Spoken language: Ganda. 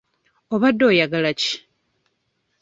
Obadde oyagala ki?